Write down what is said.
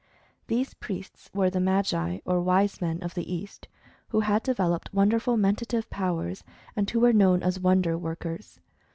These priests were the "Magi," or "Wise Men," of the East, who had de veloped wonderful mentative powers, and who were known as wonder workers.